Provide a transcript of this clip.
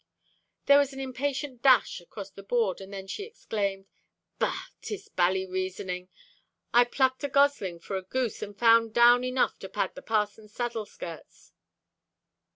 There was an impatient dash across the board, and then she exclaimed: "Bah, 'tis bally reasoning! I plucked a gosling for a goose, and found down enough to pad the parson's saddle skirts!"